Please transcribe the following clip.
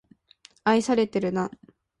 愛されてるな